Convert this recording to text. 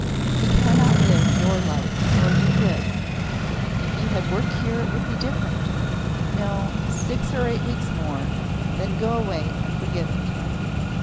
He cannot live your life nor you his. If you had work here it would be different. No six or eight weeks more; then go away and forget it."